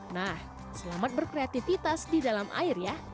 nah selamat berkreativitas di dalam air ya